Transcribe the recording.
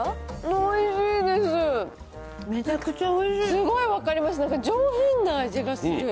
すごい分かりますね、上品な味がする。